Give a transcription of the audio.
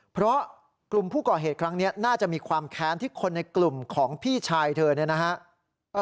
เพราะกลุ่มผู้ก่อเหตุครั้งนี้น่าจะมีความแค้นที่คนในกลุ่มของพี่ชายเธอเนี่ยนะฮะ